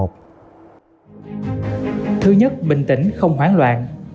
thứ nhất bình tĩnh không hoảng loạn